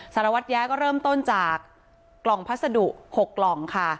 สารวัตรแย้ก็เริ่มต้นจากกล่องพัสดุ๖กล่องค่ะ